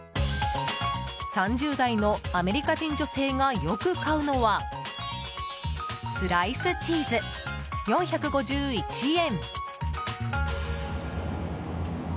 ３０代のアメリカ人女性がよく買うのはスライスチーズ、４５１円。